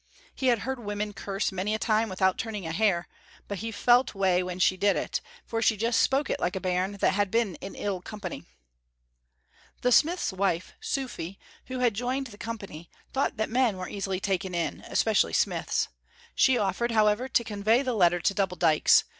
He had heard women curse many a time without turning a hair, but he felt wae when she did it, for she just spoke it like a bairn that had been in ill company. The smith's wife, Suphy, who had joined the company, thought that men were easily taken in, especially smiths. She offered, however, to convey the letter to Double Dykes.